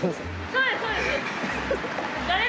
そうですそうです。